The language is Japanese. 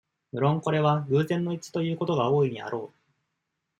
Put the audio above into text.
むろんこれは、偶然の一致ということが大いにあろう。